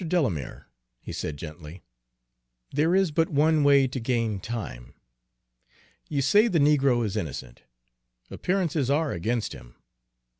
Delamere," he said gently, "there is but one way to gain time. You say the negro is innocent. Appearances are against him.